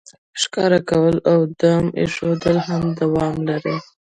ښکار کول او دام ایښودل هم دوام لري